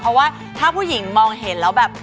เพราะว่าถ้าผู้หญิงมองเห็นแล้วแบบ